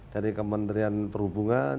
dari kementerian perhubungan